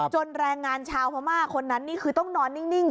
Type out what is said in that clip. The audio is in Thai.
แรงงานชาวพม่าคนนั้นนี่คือต้องนอนนิ่ง